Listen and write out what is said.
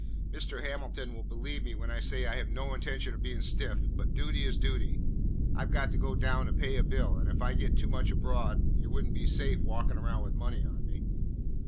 "Mr. Hamilton will believe me when I say that I have no intention of being stiff, but duty is duty. I 've got to go down town to pay a bill, and if I get too much aboard, it would n't be safe walking around with money on me."